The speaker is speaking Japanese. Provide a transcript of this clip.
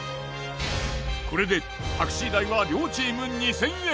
これでタクシー代は両チーム２，０００円。